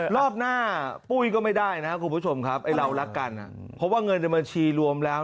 รอบหน้าปุ้ยก็ไม่ได้นะครับคุณผู้ชมครับไอ้เรารักกันเพราะว่าเงินในบัญชีรวมแล้ว